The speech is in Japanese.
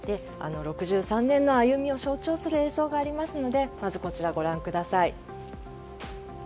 ６３年の歩みを象徴する映像がありますのでまずご覧ください。